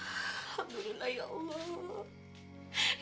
alhamdulillah ya allah